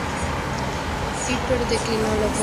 Pepper declinó la oferta.